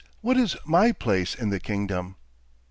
WHAT IS MY PLACE IN THE KINGDOM?